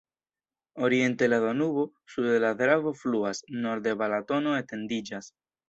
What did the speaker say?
Oriente la Danubo, sude la Dravo fluas, norde Balatono etendiĝas.